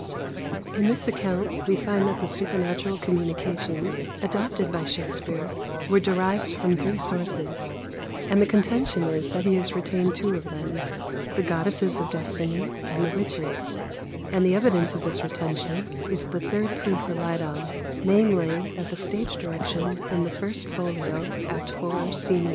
In this account we find that the supernatural communications adopted by Shakspere were derived from three sources; and the contention is that he has retained two of them the "goddesses of Destinie" and the witches; and the evidence of this retention is the third proof relied on, namely, that the stage direction in the first folio, Act IV. sc. i.